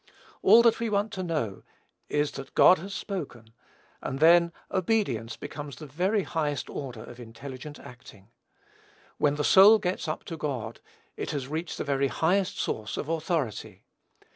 All that we want to know is that God has spoken, and then obedience becomes the very highest order of intelligent acting. When the soul gets up to God, it has reached the very highest source of authority.